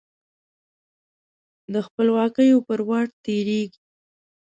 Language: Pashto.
د خپلواکیو پر واټ تیریږې